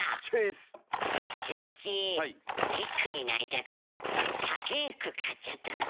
ズン吉ビッグになりたくて高ぇ服買っちゃったの。